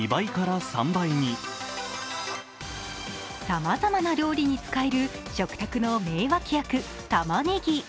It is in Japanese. さまざまな料理に使える食卓の名脇役、たまねぎ。